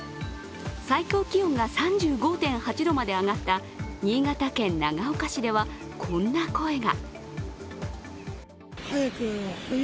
最高気温が３５．８度まで上がった新潟県長岡市ではこんな声が。